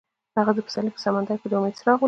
هغه د پسرلی په سمندر کې د امید څراغ ولید.